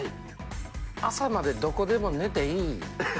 朝までどこでも寝ていい。